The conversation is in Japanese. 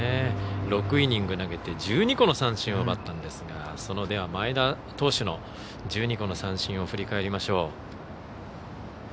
６イニング投げて１２個の三振を奪ったんですがその前田投手の１２個の三振を振り返りましょう。